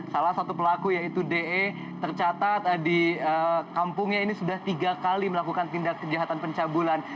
salah satu pelaku yaitu de tercatat di kampungnya ini sudah tiga kali melakukan tindak kejahatan pencabulan